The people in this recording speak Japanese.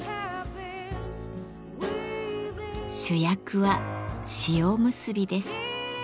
主役は塩むすびです。